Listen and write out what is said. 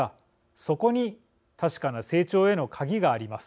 そこに確かな成長への鍵があります。